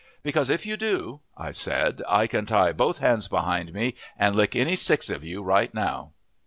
"Because if you do," I said, "I can tie both hands behind me and lick any six of you right now."